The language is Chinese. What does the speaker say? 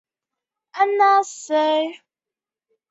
格罗斯迪本是德国萨克森州的一个市镇。